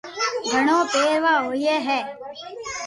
گھڙو پيروا ھوئي ھي